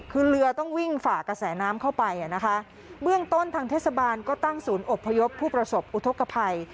คือเรือต้องวิ่งฝ่ากระแสน้ำเข้าไปอ่ะนะคะเบื้องต้นทางเทศบาลก็ตั้งศูนย์อบพยพผู้ประสบอุทธกภัย